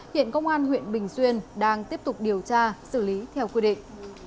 hiện công an huyện bình xuyên đang tiếp tục điều tra xử lý theo quy định